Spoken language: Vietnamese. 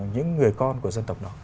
những người con của dân tộc đó